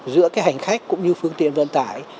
giữa cái hành khách cũng như phương tiện vận tải